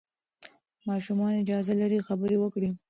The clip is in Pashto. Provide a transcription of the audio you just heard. ماشومان اجازه لري خبرې وکړي.